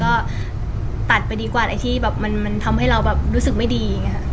ก็ตัดไปดีกว่าไอ้ที่แบบมันทำให้เราแบบรู้สึกไม่ดีอย่างนี้ค่ะ